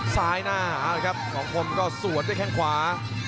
ซ้ายหน้าครับสองคมก็สวดด้วยแค่งขวา